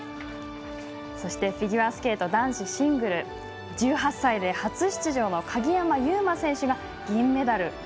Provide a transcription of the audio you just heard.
そしてフィギュアスケート男子シングル１８歳で初出場の鍵山優真選手が銀メダル。